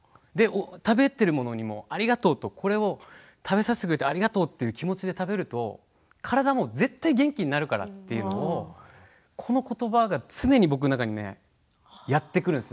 食べてるものにもありがとうとこれを食べさせてくれてありがとうという気持ちで食べると体も絶対、元気になるからというのをこのことばが常に僕の中にやってくるんです。